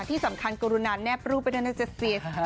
แต่ที่สำคัญกรุณานแนบรูปไปด้วยนะเจสสิทธิ์